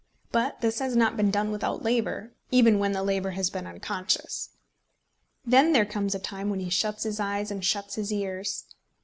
But this has not been done without labour, even when the labour has been unconscious. Then there comes a time when he shuts his eyes and shuts his ears.